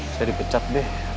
saya dipecat be